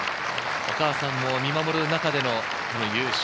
お母さんも見守る中での優勝。